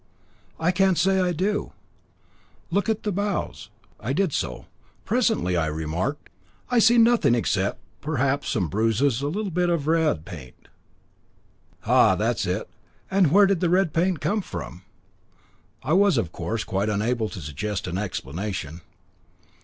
"Can't say I do." "Look at the bows." I did so. Presently I remarked: "I see nothing except, perhaps, some bruises, and a little bit of red paint." "Ah! that's it, and where did the red paint come from?" I was, of course, quite unable to suggest an explanation.